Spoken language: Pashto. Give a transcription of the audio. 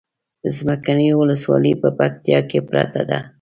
څمکنيو ولسوالي په پکتيا کې پرته ده